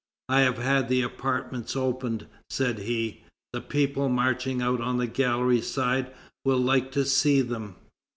"I have had the apartments opened," said he; "the people, marching out on the gallery side, will like to see them."